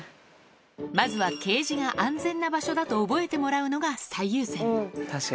まずはケージが安全な場所だと覚えてもらうのが最優先。